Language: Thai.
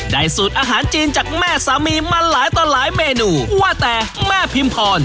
สูตรอาหารจีนจากแม่สามีมาหลายต่อหลายเมนูว่าแต่แม่พิมพร